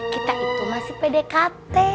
kita itu masih pdkt